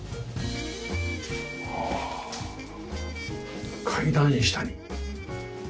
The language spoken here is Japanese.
ああ階段下に。